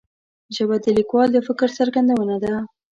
ژبه د لیکوال د فکر څرګندونه ده